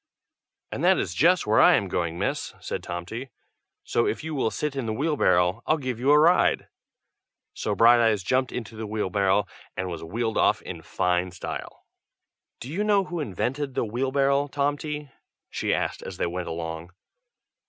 "And that is just where I am going, miss," said Tomty; "so if you will sit in the wheelbarrow, I'll give you a ride!" so Brighteyes jumped into the wheelbarrow and was wheeled off in fine style. "Do you know who invented the wheelbarrow, Tomty?" she asked as they went along.